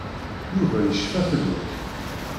Yuba yecfa fell-ak.